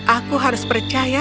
aku harus percaya